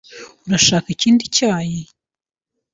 Urashaka ikindi cyayi?